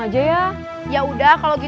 masih jadi ni yang wuj gratitude dari aku sendiri